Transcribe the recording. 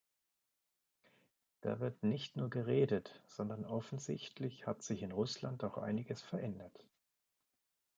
Da wird nicht nur geredet, sondern offensichtlich hat sich in Russland auch einiges verändert.